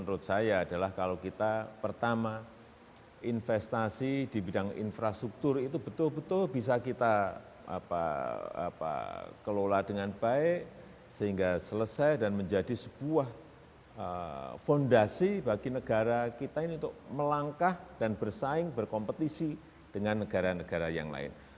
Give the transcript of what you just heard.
nah menurut saya adalah kalau kita pertama investasi di bidang infrastruktur itu betul betul bisa kita kelola dengan baik sehingga selesai dan menjadi sebuah fondasi bagi negara kita ini untuk melangkah dan bersaing berkompetisi dengan negara negara yang lain